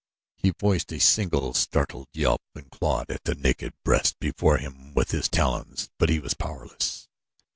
He voiced a single startled yelp and clawed at the naked breast before him with his talons; but he was powerless.